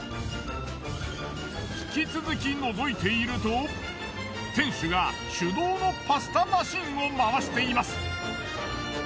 引き続きのぞいていると店主が手動のパスタマシンを回しています。